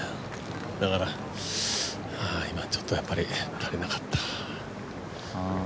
だからちょっとやっぱり足りなかった。